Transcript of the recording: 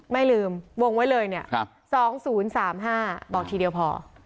ไม่ลืมวงไว้เลยเนี่ย๒๐๓๕บอกทีเดียวพอ